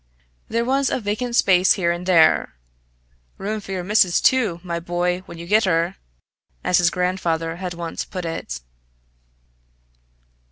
There was a vacant space here and there "room for your missus, too, my boy, when you get her!" as his grandfather had once put it.